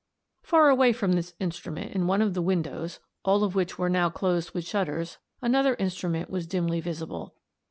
Far away from this instrument in one of the windows, all of which were now closed with shutters, another instrument was dimly visible.